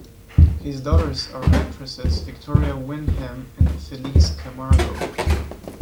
His daughters are actresses Victoria Wyndham and Felice Camargo.